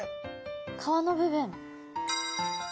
皮の部分。